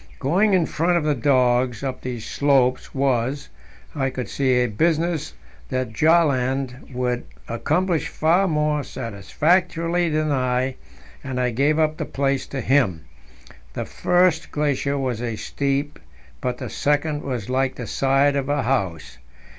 Going in front of the dogs up these slopes was, I could see, a business that Bjaaland would accomplish far more satisfactorily than I, and I gave up the place to him. The first glacier was steep, but the second was like the side of a house.